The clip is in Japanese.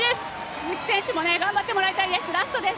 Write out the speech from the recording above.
鈴木選手も頑張ってもらいたいです。